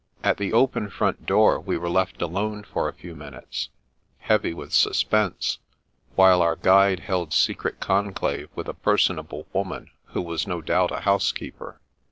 At the open front door we were left alone for a few minutes, heavy with suspense, while our guide held secret conclave with a personable woman who was no doubt a housekeeper.